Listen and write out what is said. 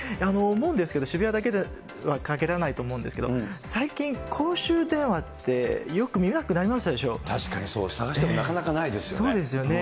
思うんですけど、渋谷だけではかぎらないと思うんですけれども、最近、公衆電話ってよく見なくな確かにそう、探してもなかなそうですよね。